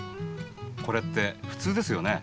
これってふつうですよね？